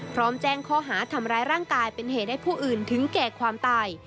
พร้อมแจ้งข้อหาทำร้ายร่างกายเป็นเหตุให้ผู้อื่นถึงแก่ความตาย